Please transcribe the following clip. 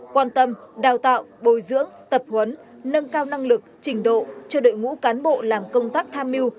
quan tâm đào tạo bồi dưỡng tập huấn nâng cao năng lực trình độ cho đội ngũ cán bộ làm công tác tham mưu